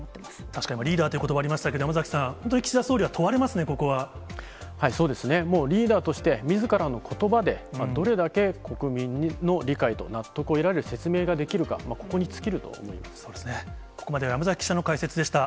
確かに、今、リーダーということばがありましたけど、山崎さん、本当に岸田総理は問われますそうですね、もうリーダーとしてみずからのことばで、どれだけ国民の理解と納得を得られる説明ができるか、ここに尽きここまでは山崎記者の解説でした。